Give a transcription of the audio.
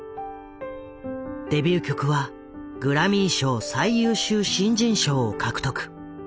デビュー曲はグラミー賞最優秀新人賞を獲得。